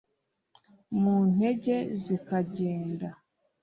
mu ntege zikagenda